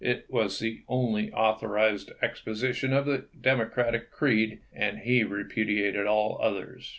r£on, It was the only authorized exposition of the Demo " of the7 cratic creed, and he repudiated all others."